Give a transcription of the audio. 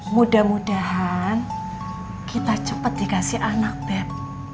mudah mudahan kita cepet dikasih anak beb